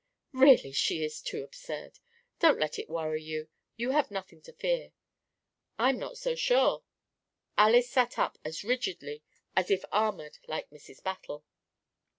"Really, she is too absurd. Don't let it worry you. You have nothing to fear." "I'm not so sure." Alys sat up as rigidly as if armoured like Mrs. Battle.